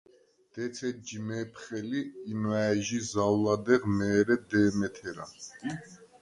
დეც ეჯჟი მე̄ფხე ლი, იმუ̂ა̄̈ჲჟი ზაუ̂ლადეღ, მე̄რე დე̄მე თერა.